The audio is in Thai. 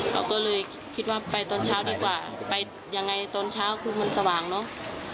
เราก็เลยคิดว่าไปตอนเช้าดีกว่าไปยังไงตอนเช้าคือมันสว่างเนอะ